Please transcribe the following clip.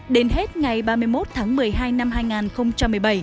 đến hết ngày ba mươi một tháng một mươi hai năm hai nghìn một mươi bảy